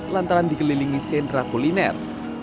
lantaran dikelilingi sentra kuliner